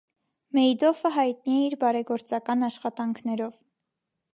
Մեյդոֆը հայտնի էր իր բարեգործական աշխատանքներով։